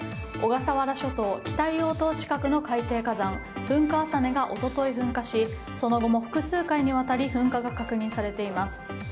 小笠原諸島北硫黄島近くの海底火山、噴火浅根が一昨日、噴火しその後も複数回にわたり噴火が確認されています。